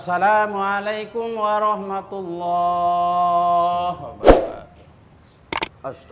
assalamualaikum warahmatullah wabarakatuh